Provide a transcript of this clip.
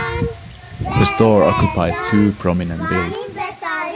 The store occupied two prominent buildings.